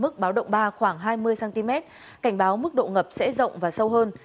mức báo động ba khoảng hai mươi cm cảnh báo mức độ ngập sẽ rộng và sâu hơn